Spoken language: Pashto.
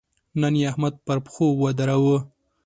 نن يې احمد پر پښو ودراوو.